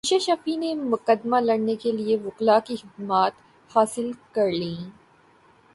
میشا شفیع نے مقدمہ لڑنے کیلئے وکلاء کی خدمات حاصل کرلیں